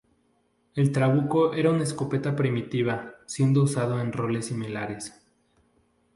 El trabuco era una escopeta primitiva, siendo usado en roles similares.